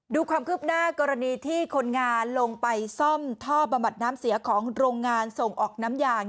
ดูความคืบหน้ากรณีที่คนงานลงไปซ่อมท่อบำบัดน้ำเสียของโรงงานส่งออกน้ำยาง